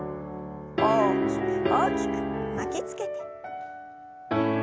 大きく大きく巻きつけて。